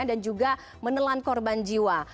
juga menelan korban jiwa